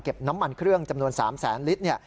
เก็บน้ำมันเครื่องจำนวน๓๐๐ลิตร